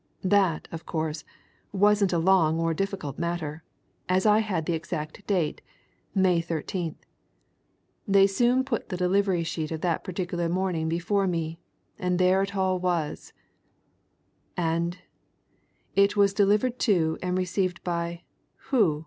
That, of course, wasn't a long or difficult matter, as I had the exact date May 13th. They soon put the delivery sheet of that particular morning before me. And there it all was " "And it was delivered to and received by who?"